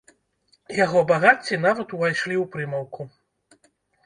Яго багацці нават ўвайшлі ў прымаўку.